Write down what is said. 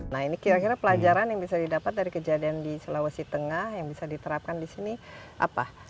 nah ini kira kira pelajaran yang bisa didapat dari kejadian di sulawesi tengah yang bisa diterapkan di sini apa